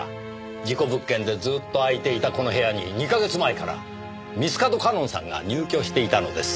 事故物件でずっと空いていたこの部屋に２カ月前から三ツ門夏音さんが入居していたのです。